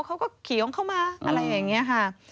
เขาก็ขี่ของเขามาอะไรอย่างนี้ค่ะ